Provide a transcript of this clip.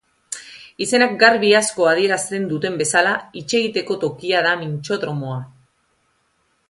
Izenak garbi asko adierazten duen bezala hitzegiteko tokia da mintzodromoa.